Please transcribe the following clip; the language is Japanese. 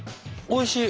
おいしい？